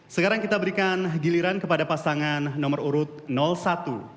sekarang kita berikan giliran kepada pasangan nomor urut satu